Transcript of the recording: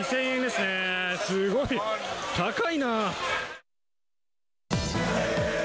すごい、高いな。